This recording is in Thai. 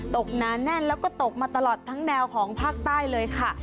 หนาแน่นแล้วก็ตกมาตลอดทั้งแนวของภาคใต้เลยค่ะ